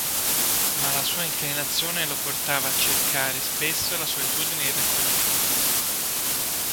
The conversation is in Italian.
Ma la sua inclinazione lo portava a cercare spesso la solitudine e il raccoglimento.